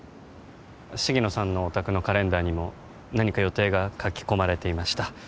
重野さんのお宅のカレンダーにも何か予定が書き込まれていました